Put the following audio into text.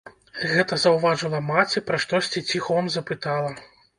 Гэта заўважыла маці, пра штосьці ціхом запытала.